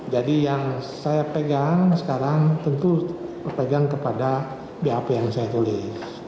jadi yang saya pegang sekarang tentu pegang kepada bap yang saya tulis